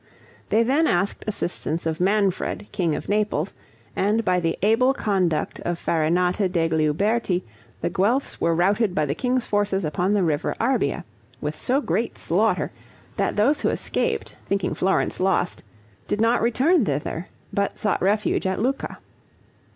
They then asked assistance of Manfred king of Naples, and by the able conduct of Farinata degli Uberti, the Guelphs were routed by the king's forces upon the river Arbia, with so great slaughter, that those who escaped, thinking Florence lost, did not return thither, but sought refuge at Lucca.